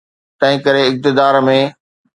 تنهنڪري اقتدار ۾.